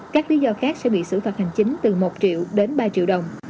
các lý do khác sẽ bị xử phạt hành chính từ một triệu đến ba triệu đồng